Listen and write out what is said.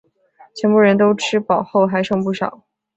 全部人都吃饱后还剩不少